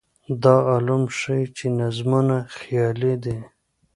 دا علوم ښيي چې نظمونه خیالي دي.